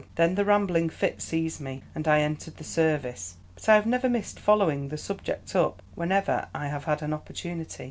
Then the rambling fit seized me and I entered the service; but I have never missed following the subject up whenever I have had an opportunity.